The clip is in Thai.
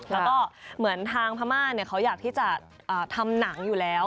แล้วก็เหมือนทางพม่าเขาอยากที่จะทำหนังอยู่แล้ว